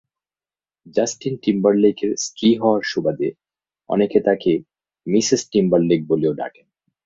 Justin টিম্বারলেকের স্ত্রী হওয়ার সুবাদে অনেকে তাঁকে মিসেস টিম্বারলেক বলেও ডাকেন।